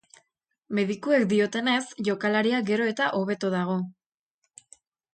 Medikuek diotenez, jokalaria gero eta hobeto dago.